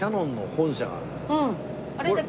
あれ？